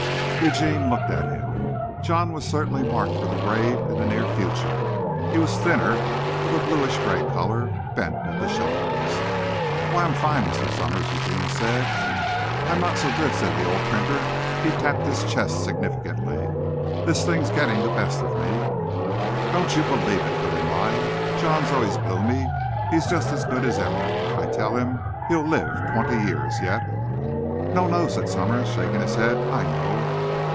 Eugene looked at him. John was certainly marked for the grave in the near future. He was thinner, of a bluish grey color, bent at the shoulders. "Why, I'm fine, Mr. Summers," Eugene said. "I'm not so good," said the old printer. He tapped his chest significantly. "This thing's getting the best of me." "Don't you believe it," put in Lyle. "John's always gloomy. He's just as good as ever. I tell him he'll live twenty years yet." "No, no," said Summers, shaking his head, "I know."